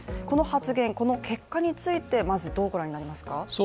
この発言、この結果についてまずどう御覧になりますか？